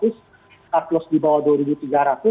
tartlos di bawah rp dua tiga ratus